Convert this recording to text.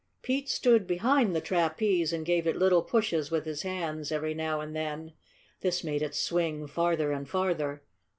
Pete stood behind the trapeze and gave it little pushes with his hands every now and then. This made it swing farther and farther.